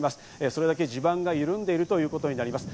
それだけ地盤が緩んでいるということになります。